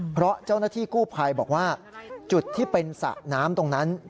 เพราะเจ้าหน้าที่กู้ภัยบอกว่าจุดที่เป็นสระน้ำตรงนั้น